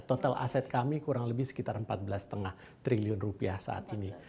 total aset kami kurang lebih sekitar empat belas lima triliun rupiah saat ini